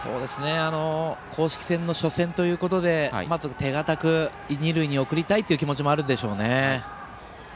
公式戦の初戦ということでまず手堅く二塁に送りたいという気持ちもあるでしょうね。